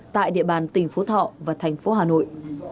tại địa bàn tỉnh phú thọ và thành phố hà nội